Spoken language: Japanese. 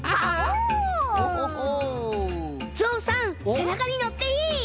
せなかにのっていい？